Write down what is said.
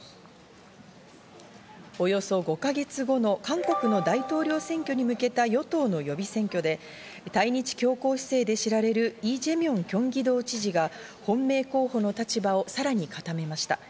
およそ５か月後の韓国の大統領選挙に向けた与党の予備選挙で対日強硬姿勢で知られるイ・ジェミョンキョンギ道知事が本命候補の立場をさらに固めました。